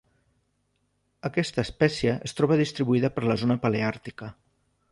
Aquesta espècie es troba distribuïda per la zona paleàrtica.